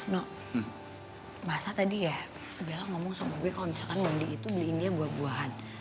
no basah tadi ya bilang ngomong sama gue kalau misalkan bambi itu beliin dia buah buahan